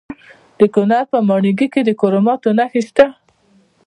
د کونړ په ماڼوګي کې د کرومایټ نښې شته.